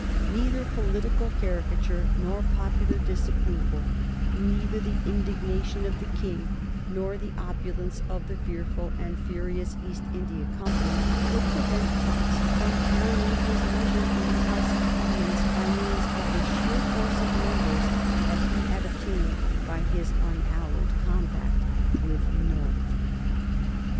Neither political caricature nor popular disapproval, neither the indignation of the King nor the opulence of the fearful and furious East India Company, could prevent Fox from carrying his measures in the House of Commons by means of the sheer force of numbers that he had obtained by his unhallowed compact with North.